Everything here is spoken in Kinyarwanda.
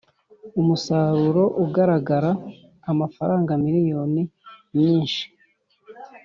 umusaruro ugaragara amafaranga miliyoni nyinshi